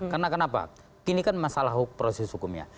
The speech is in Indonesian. karena kenapa ini kan masalah proses hukum ya